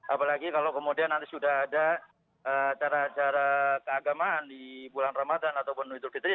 apalagi kalau kemudian nanti sudah ada acara acara keagamaan di bulan ramadan ataupun idul fitri